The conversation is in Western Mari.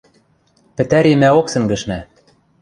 Пӹтӓри мӓок сӹнгӹшнӓ.